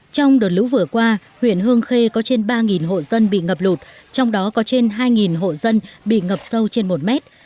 trong đợt lũ vừa qua huyện hương khê có trên ba hộ dân bị ngập lụt trong đó có trên hai hộ dân bị ngập sâu trên một mét